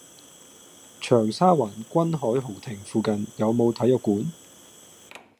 長沙灣君凱豪庭附近有無體育館？